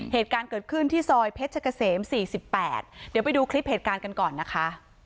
เหตุการณ์เกิดขึ้นที่ซอยเพชรเกษม๔๘เดี๋ยวไปดูคลิปเหตุการณ์กันก่อนนะคะ